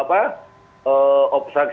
maka dia mengatakan